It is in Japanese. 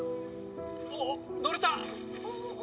おっ乗れた！